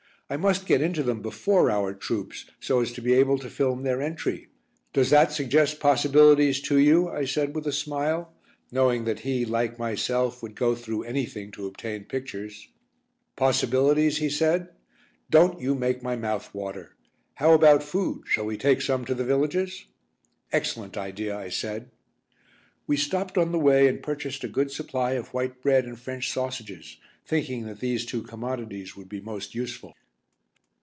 I must get into them before our troops, so as to be able to film their entry. Does that suggest possibilities to you?" I said, with a smile, knowing that he, like myself, would go through anything to obtain pictures. "Possibilities," he said, "don't, you make my mouth water. How about food? Shall we take some to the villages?" "Excellent idea," I said. We stopped on the way and purchased a good supply of white bread and French sausages, thinking that these two commodities would be most useful.